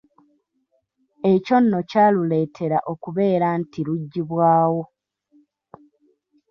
Ekyo nno kyaluleetera okubeera nti lugyibwawo.